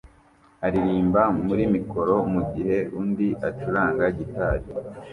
aririmba muri mikoro mugihe undi acuranga gitari